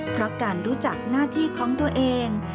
เพราะการรู้จักหน้าที่ของตัวเอง